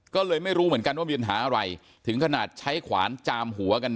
ก็เลยไม่รู้เหมือนกันว่ามีปัญหาอะไรถึงขนาดใช้ขวานจามหัวกัน